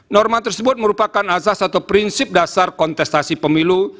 norma tersebut merupakan azas atau prinsip dasar kontestasi pemilu